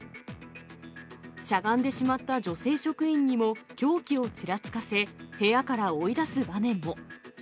しゃがんでしまった女性職員にも凶器をちらつかせ、部屋から追い出す場面も。